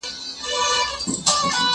زه اوږده وخت اوبه ورکوم،